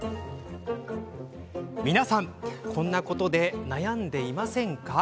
皆さん、こんなことで悩んでいませんか？